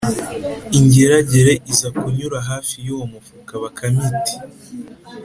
Ingeragere iza kunyura hafi y’uwo mufuka, Bakame iti